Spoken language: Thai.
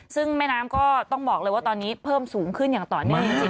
ซึ่งแม่น้ำก็ต้องบอกเลยว่าตอนนี้เพิ่มสูงขึ้นอย่างต่อเนื่องจริง